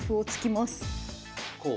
こう？